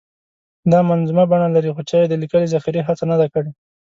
دا منظومه بڼه لري خو چا یې د لیکلې ذخیرې هڅه نه ده کړې.